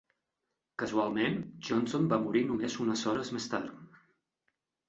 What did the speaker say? Casualment, Johnson va morir només unes hores més tard.